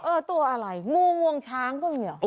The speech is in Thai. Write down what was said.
ตัวอะไรงูงวงช้างก็มีเหรอ